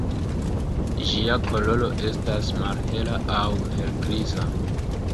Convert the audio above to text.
Ĝia koloro estas malhela aŭ helgriza.